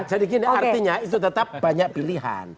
jadi gini artinya itu tetap banyak pilihan